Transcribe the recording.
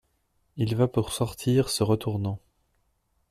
Il va pour sortir… se retournant.